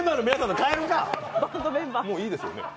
もういいですよね？